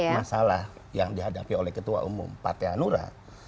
masalah yang dihadapi oleh ketua umum partai hanura